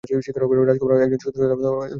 রাজ কুমার একজন সৎ, সুদর্শন এবং বুদ্ধিমান যুবক।